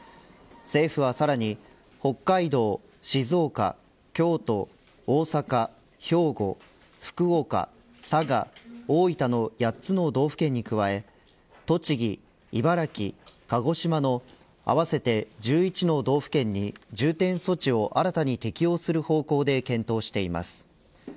政府はさらに、北海道、静岡京都、大阪、兵庫福岡、佐賀、大分の８つの道府県に加え栃木、茨城、鹿児島の合わせて１１の道府県に重点措置を新たに適用する方向で検討しています。